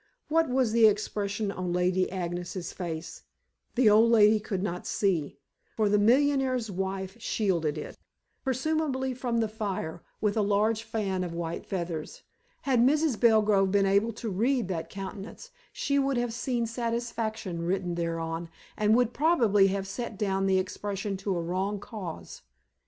What was the expression on Lady Agnes's face, the old lady could not see, for the millionaire's wife shielded it presumably from the fire with a large fan of white feathers. Had Mrs. Belgrove been able to read that countenance she would have seen satisfaction written thereon, and would probably have set down the expression to a wrong cause.